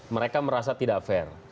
mereka merasa tidak fair